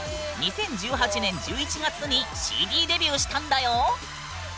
２０１８年１１月にＣＤデビューしたんだよ。